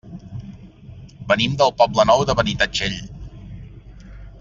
Venim del Poble Nou de Benitatxell.